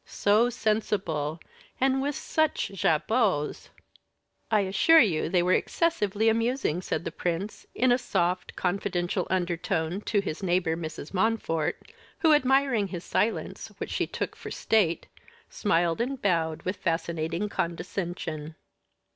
so sensible, and with such jabots!" "I assure you, they were excessively amusing," said the prince, in a soft, confidential undertone to his neighbor, Mrs. Montfort, who, admiring his silence, which she took for state, smiled and bowed with fascinating condescension.